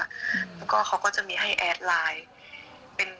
แล้วก็เขาก็จะมีให้แอดไลน์